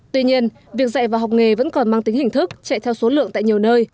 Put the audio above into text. tuy nhiên việc dạy và học nghề vẫn còn mang tính hình thức chạy theo số lượng tại nhiều nơi